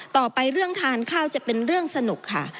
ต่อไปเรื่องทานข้าวจะเป็นเรื่องสนุกค่ะ